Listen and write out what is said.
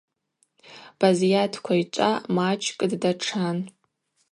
Базйат Квайчӏва мачӏкӏ ддатшан.